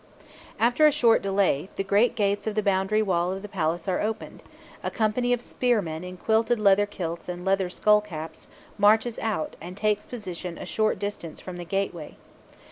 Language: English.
After a short delay, the great gates of the boundary wall of the palace are opened; a company of spearmen, in quilted leather kilts and leather skull caps, marches out, and takes position a short distance from the gateway.